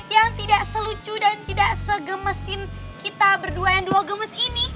yang tidak selucu dan tidak segemesin kita berdua yang dua gemes ini